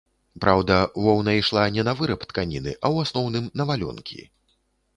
Праўда, воўна ішла не на выраб тканіны, а ў асноўным на валёнкі.